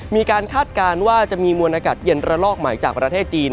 คาดการณ์ว่าจะมีมวลอากาศเย็นระลอกใหม่จากประเทศจีน